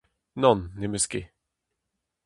Nann, ne'm eus ket.